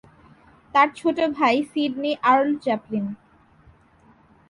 তার ছোট ভাই সিডনি আর্ল চ্যাপলিন।